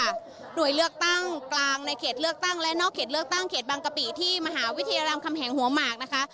หน่วยเลือกตั้งกลางในเขตเลือกตั้งและนอกเขตเลือกตั้งเขตบางกะปิที่มหาวิทยาลำคำแหงหัวหมากนะคะ